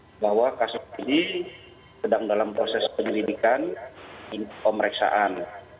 menolong musola musolam setelah di bahwa kasus ini sedang dalam proses penyelidikan ini pemeriksaan